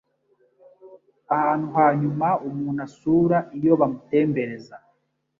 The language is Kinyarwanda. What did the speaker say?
Ahantu ha nyuma umuntu asura iyo bamutembereza,